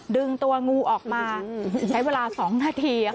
ดึงตัวงูออกมาใช้เวลา๒นาที